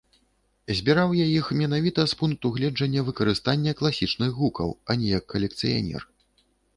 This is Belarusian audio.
Збіраў я іх менавіта з пункту гледжання выкарыстання класічных гукаў, а не як калекцыянер.